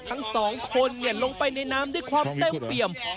ทั้งสองคนลงไปในน้ำด้วยความเต็มเปี่ยม